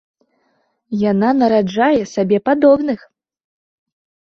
Яна нараджае сабе падобных.